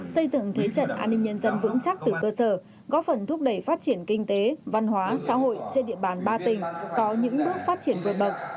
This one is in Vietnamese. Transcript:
xây dựng thế trận an ninh nhân dân vững chắc từ cơ sở góp phần thúc đẩy phát triển kinh tế văn hóa xã hội trên địa bàn ba tỉnh có những bước phát triển vượt bậc